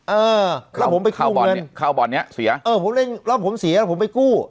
เออแล้วผมไปคู่เงินเข้าบอลเนี้ยเสียเออผมเล่นแล้วผมเสียผมไปกู้